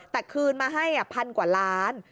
แต่คืนมาให้พันกว่าล้าน